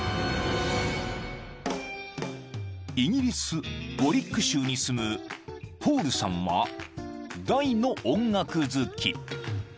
［イギリスウォリック州に住むポールさんは大の音楽好き］